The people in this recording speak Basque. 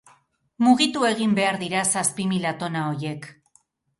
Mugitu egin behar dira zazpi mila tona horiek!